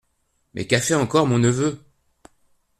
Mais qu’a fait encore mon neveu ?